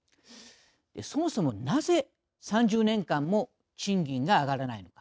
そもそも、なぜ３０年間も賃金が上がらないのか。